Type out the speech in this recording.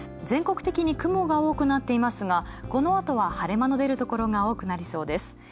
全国的に雲が多くなっていますがこのあとは晴れ間の出るところが多くなりそうです。